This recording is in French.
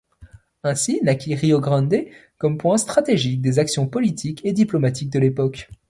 Ainsi naquit Rio Grande, comme point stratégique des actions politiques et diplomatiques de l'époque.